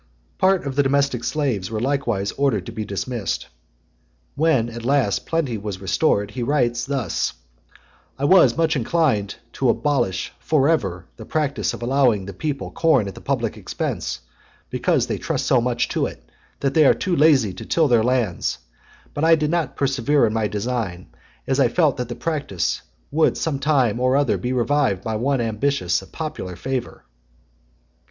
Part of the domestic slaves were likewise ordered to be dismissed. When, at last, plenty was restored, he writes thus "I was much inclined to abolish for ever the practice of allowing the people corn at the public expense, because they trust so much to it, that they are too lazy to till their lands; but I did not persevere in my design, as I felt sure that the practice would some time or other be revived by some one ambitious of popular favour."